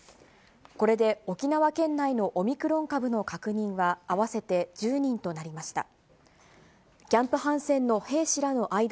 これで沖縄県内のオミクロン株の確認は合わせて１０人となりました。